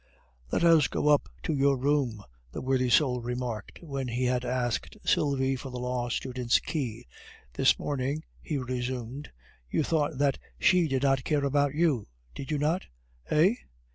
"Let us go up to your room," the worthy soul remarked, when he had asked Sylvie for the law student's key. "This morning," he resumed, "you thought that she did not care about you, did you not? Eh?